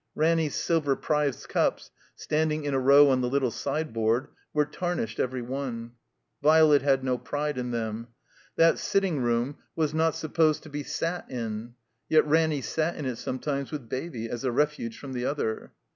Ranny's silver prize cups, standing in a row on the little sideboard, were tarnished every one. Violet had no pride in them. That sitting tootcv ^^s. xvo\. J4 203 THE COMBINED MAZE supposed to be sat in; yet Ranny sat in it sometimes with Baby, as a refuge from the other.